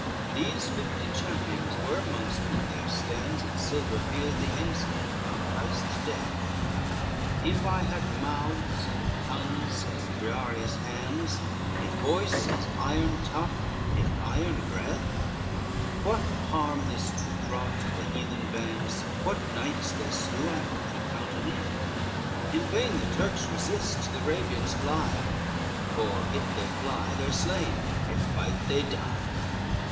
XCII These fifty champions were, mongst whom there stands, In silver field, the ensign of Christ's death, If I had mouths and tongues as Briareus hands, If voice as iron tough, if iron breath, What harm this troop wrought to the heathen bands, What knights they slew, I could recount uneath In vain the Turks resist, the Arabians fly; If they fly, they are slain; if fight, they die.